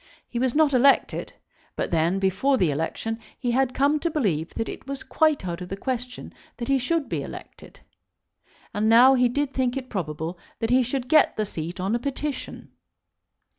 He was not elected; but then, before the election, he had come to believe that it was quite out of the question that he should be elected. And now he did think it probable that he should get the seat on a petition.